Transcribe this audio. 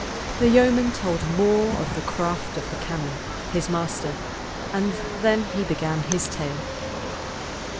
The yeoman told more of the craft of the canon, his master, and then he began his tale.